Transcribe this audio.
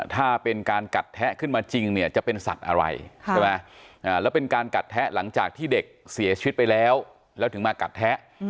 ถ้าเป็นการกัดแทะขึ้นมาจริงเนี่ยจะเป็นสัตว์อะไรใช่ไหมแล้วเป็นการกัดแทะหลังจากที่เด็กเสียชีวิตไปแล้วแล้วถึงมากัดแทะ